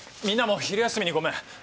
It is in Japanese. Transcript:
みんなも昼休みにごめん。